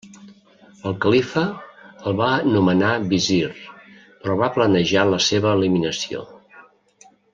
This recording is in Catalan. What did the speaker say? El califa el va nomenar visir, però va planejar la seva eliminació.